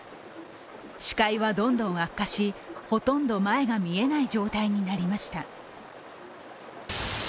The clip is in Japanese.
視界はどんどん悪化し、ほとんど前が見えない状態になりました。